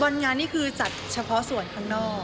บรรงานนี้คือจัดเฉพาะส่วนข้างนอกค่ะ